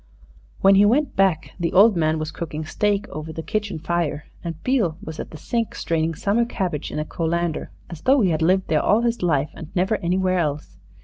When he went back the old man was cooking steak over the kitchen fire, and Beale was at the sink straining summer cabbage in a colander, as though he had lived there all his life and never anywhere else.